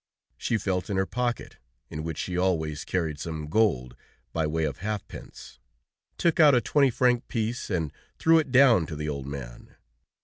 She felt in her pocket, in which she always carried some gold by way of half pence, took out a twenty franc piece and threw it down to the old man.